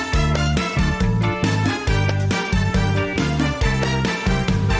สวัสดีค่ะ